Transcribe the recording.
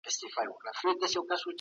په کم سن کي واده کول ښې پايلي نلري